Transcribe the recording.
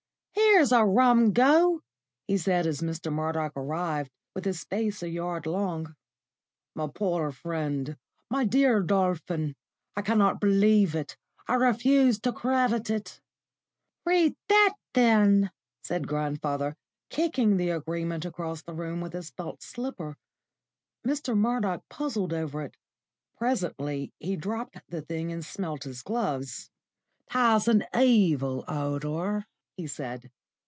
"Here's a rum go!" he said, as Mr. Murdoch arrived, with his face a yard long. "My poor friend, my dear Dolphin, I cannot believe it; I refuse to credit it." "Read that then," said grandfather, kicking the Agreement across the room with his felt slipper. Mr. Murdoch puzzled over it. Presently he dropped the thing and smelt his gloves. "It has an evil odour," he said.